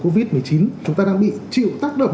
covid một mươi chín chúng ta đang bị chịu tác động